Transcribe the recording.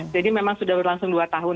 jadi memang sudah berlangsung dua tahun